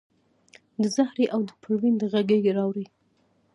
د زهرې او د پروین د غیږي راوړي